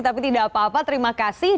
tapi tidak apa apa terima kasih